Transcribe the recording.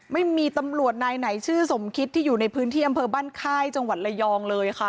ไม่มีตำรวจนายไหนชื่อสมคิดที่อยู่ในพื้นที่อำเภอบ้านค่ายจังหวัดระยองเลยค่ะ